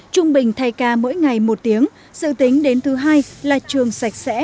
trung bình thay ca mỗi ngày một tiếng dự tính đến thứ hai là trường sạch sẽ